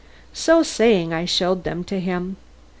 So saying I showed them to him.